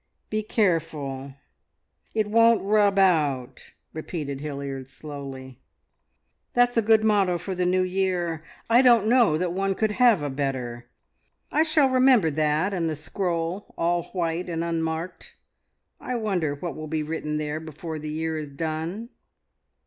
"Be careful. It won't rub out," repeated Hilliard slowly. "That's a good motto for the New Year. I don't know that one could have a better. I shall remember that, and the scroll all white and unmarked. I wonder what will be written there before the year is done?"